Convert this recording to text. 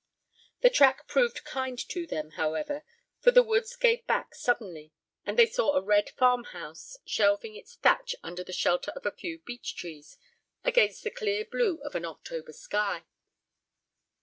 The track proved kind to them, however, for the woods gave back suddenly, and they saw a red farm house shelving its thatch under the shelter of a few beech trees against the clear blue of an October sky.